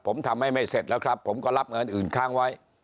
ผมทำให้ไม่เสร็จแล้วครับผมก็รับเงินอื่นค้างไว้